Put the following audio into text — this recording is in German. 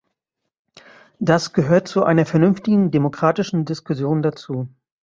Das gehört zu einer vernünftigen demokratischen Diskussion dazu.